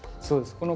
そうです。